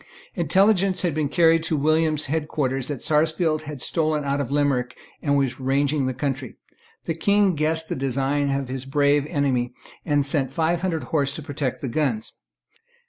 Intelligence had been carried to William's head quarters that Sarsfield had stolen out of Limerick and was ranging the country. The King guessed the design of his brave enemy, and sent five hundred horse to protect the guns.